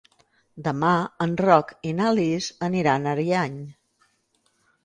Demà en Roc i na Lis aniran a Ariany.